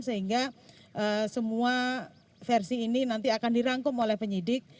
sehingga semua versi ini nanti akan dirangkum oleh penyidik